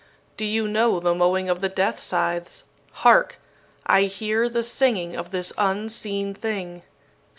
Do you know the mowing of the death scythes? Hark! I hear the singing of this unseen thing.